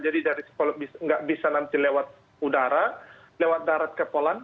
jadi kalau nggak bisa nanti lewat udara lewat darat ke polan